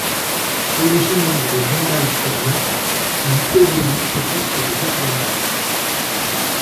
Originaire de Dombasle-sur-Meurthe, il évolue au poste de gardien de but.